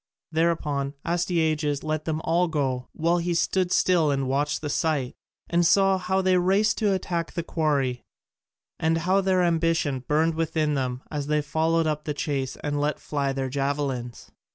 Thereupon Astyages let them all go, while he stood still and watched the sight, and saw how they raced to attack the quarry and how their ambition burned within them as they followed up the chase and let fly their javelins.